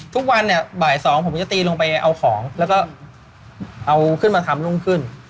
ทุกวันเนี่ยบ่ายสองผมจะตีลงไปเอาของแล้วก็เอาขึ้นมาทำรุ่งขึ้น